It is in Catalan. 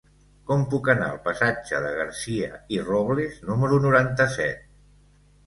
Com puc anar al passatge de Garcia i Robles número noranta-set?